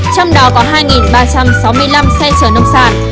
trong đó có hai ba trăm sáu mươi năm xe chở nông sản